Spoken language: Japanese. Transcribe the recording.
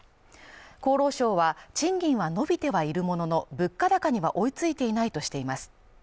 厚労省は賃金は伸びてはいるものの、物価高には追いついていないとしています。